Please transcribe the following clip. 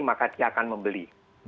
maka dia akan membeli